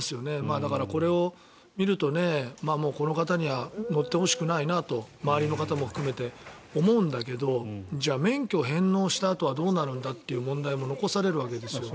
だから、これを見るとこの方には乗ってほしくないなと周りの方も含めて思うんだけどじゃあ、免許を返納したあとはどうなるんだっていう問題も残されるわけですよね。